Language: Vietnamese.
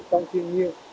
trong thiên nhiên